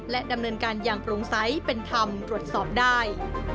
ดำเนินการอย่างโปร่งใสเป็นธรรมตรวจสอบได้